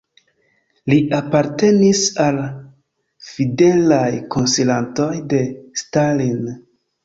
Li apartenis al fidelaj konsilantoj de Stalin.